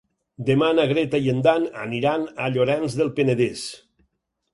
Demà na Greta i en Dan aniran a Llorenç del Penedès.